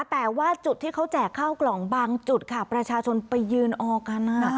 แต่ว่าจุดที่เขาแจกข้าวกล่องบางจุดค่ะประชาชนไปยืนออกกัน